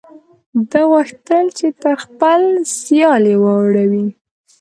ده غوښتل چې تر خپل سیال یې واړوي.